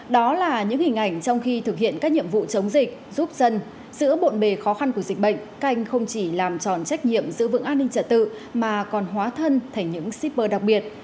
đó là những hình ảnh trong khi thực hiện các nhiệm vụ chống dịch giúp dân sự bộn bề khó khăn của dịch bệnh canh không chỉ làm tròn trách nhiệm giữ vững an ninh trả tự mà còn hóa thân thành những shipper đặc biệt